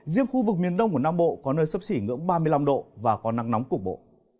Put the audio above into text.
riêng khu vực miền đông của nam bộ có nơi sấp xỉ ngưỡng ba mươi năm độ và có nắng nóng cục bộ